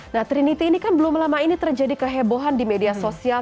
nah trinity ini kan belum lama ini terjadi kehebohan di media sosial